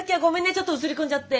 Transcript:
ちょっと写り込んじゃって。